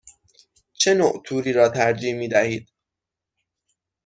چه نوع توری را ترجیح می دهید؟